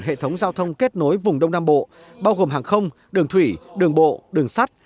hệ thống giao thông kết nối vùng đông nam bộ bao gồm hàng không đường thủy đường bộ đường sắt